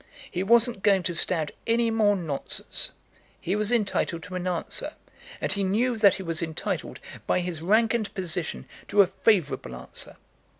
He wasn't going to stand any more nonsense. He was entitled to an answer, and he knew that he was entitled, by his rank and position, to a favourable answer.